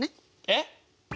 えっ？